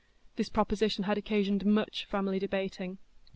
This proposition had occasioned much family debating.